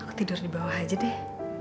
aku tidur di bawah aja deh